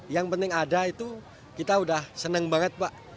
yang penting ada itu kita sudah senang banget pak